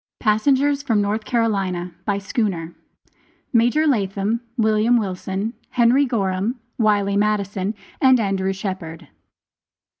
PASSENGERS FROM NORTH CAROLINA. [BY SCHOONER.] MAJOR LATHAM, WILLIAM WILSON, HENRY GORHAM, WILEY MADDISON, AND ANDREW SHEPHERD.